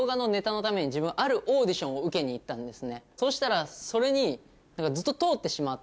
そしたらそれに。